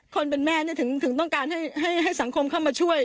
คนเป็นแม่ถึงต้องการให้สังคมเข้ามาช่วย